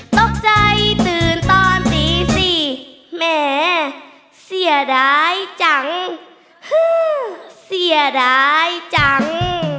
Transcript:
ตกใจตื่นตอนตีสี่แหมเสียดายจังฮือเสียดายจัง